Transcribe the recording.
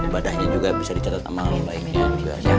badahnya juga bisa dicatat amal lainnya juga